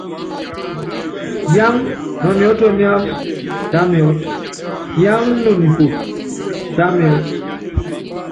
Yaáŋa nɔ niɔ́tɔ niasɔ́, tá miɔ́t, yaáŋa no nipoti, tá miɔ́t.